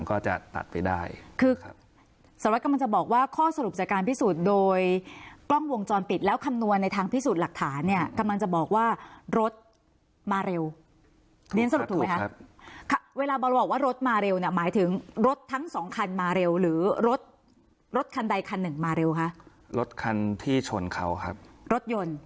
ก็จะตัดไปได้คือสารวัตรกำลังจะบอกว่าข้อสรุปจากการพิสูจน์โดยกล้องวงจรปิดแล้วคำนวณในทางพิสูจน์หลักฐานเนี่ยกำลังจะบอกว่ารถมาเร็วเรียนสรุปถูกไหมคะครับเวลาบอลบอกว่ารถมาเร็วเนี่ยหมายถึงรถทั้งสองคันมาเร็วหรือรถรถคันใดคันหนึ่งมาเร็วคะรถคันที่ชนเขาครับรถยนต์